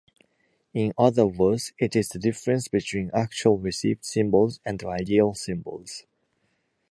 In other words, it is the difference between actual received symbols and ideal symbols.